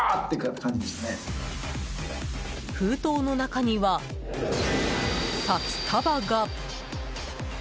封筒の中には札束が。